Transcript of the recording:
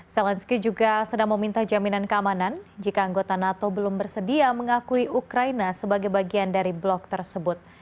zelensky juga sedang meminta jaminan keamanan jika anggota nato belum bersedia mengakui ukraina sebagai bagian dari blok tersebut